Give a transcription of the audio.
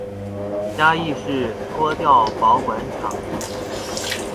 嘉義市拖吊保管場